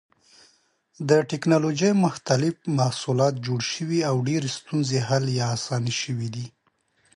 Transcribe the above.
د ټېکنالوجۍ مختلف محصولات جوړ شوي او ډېرې ستونزې حل یا اسانې شوې دي.